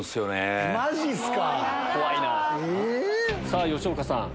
さぁ吉岡さん